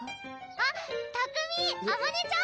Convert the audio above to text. あっ拓海あまねちゃん